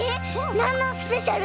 なんのスペシャル？